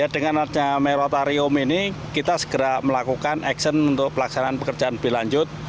dengan arjama moratorium ini kita segera melakukan aksen untuk pelaksanaan pekerjaan berlanjut